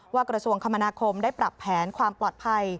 กระทรวงคมนาคมได้ปรับแผนความปลอดภัย